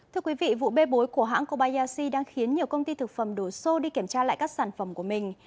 thưa quý vị vụ bê bối của hãng kobayashi đang khiến nhiều công ty thực phẩm đổ xô đi kiểm tra lại các sản phẩm của mình